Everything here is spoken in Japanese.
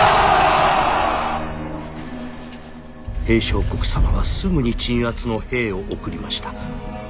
「平相国様はすぐに鎮圧の兵を送りました。